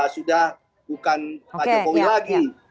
sudah bukan pak jokowi lagi